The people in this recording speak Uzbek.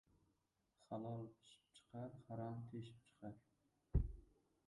Halol pishib chiqar, harom teshib chiqar.